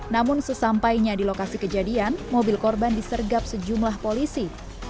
namun sesampainya di lokasi kejadian mobil korban disergap sejumlah polisi